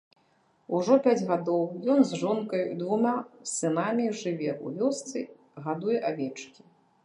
Ужо пяць гадоў ён з жонкаю і двума сынамі жыве ў вёсцы, гадуе авечкі.